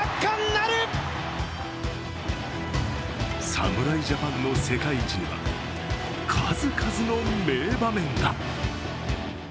侍ジャパンの世界一には、数々の名場面が。